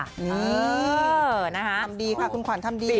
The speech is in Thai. ทำดีครับคุณขวาวนทำดี